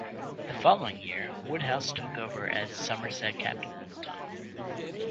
The following year, Woodhouse took over as Somerset captain full-time.